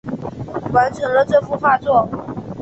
完成了这幅画作